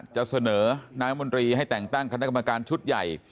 จะเสนอนายมนตรีให้แต่งตั้งคณะกรรมการชุดใหญ่